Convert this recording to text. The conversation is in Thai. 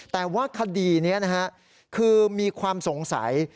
แต่ว่าคดีนี้นะฮะคือมีความสงสัย